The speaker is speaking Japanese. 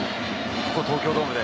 ここ東京ドームで。